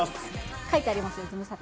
書いてありますよ、ズムサタ。